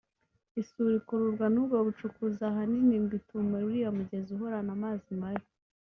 isuri ikururwa n’ubwo bucukuzi ahanini ngo ituma uriya mugezi uhorana amazi mabi